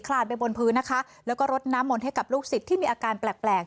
ลานไปบนพื้นนะคะแล้วก็รดน้ำมนต์ให้กับลูกศิษย์ที่มีอาการแปลกแปลก